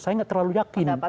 saya nggak terlalu yakin